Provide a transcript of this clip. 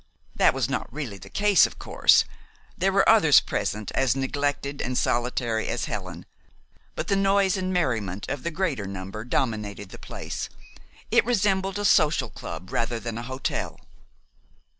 That was not really the case, of course. There were others present as neglected and solitary as Helen; but the noise and merriment of the greater number dominated the place. It resembled a social club rather than a hotel.